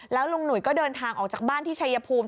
แล้วลุงหนุ่ยก็เดินทางออกจากบ้านที่ชัยภูมิ